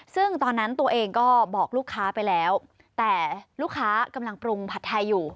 ซึ่งตอนนั้นตัวเองก็บอกลูกค้าไปแล้วแต่ลูกค้ากำลังปรุงผัดไทยอยู่